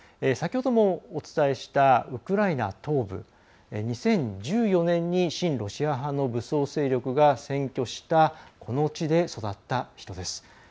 先ほどもお伝えしたウクライナ東部２０１４年に親ロシア派の武装勢力が占拠したこの地で育った人です。